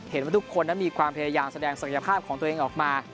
เห็นว่าทุกคนนั้นมีความพยายามแสดงศักยภาพของตัวเองออกมา